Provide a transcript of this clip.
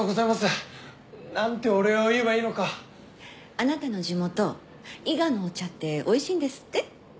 あなたの地元伊賀のお茶っておいしいんですって？